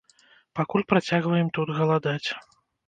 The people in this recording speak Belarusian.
Пакуль працягваем тут галадаць.